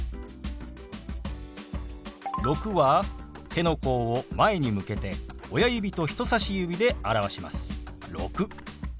「６」は手の甲を前に向けて親指と人さし指で表します。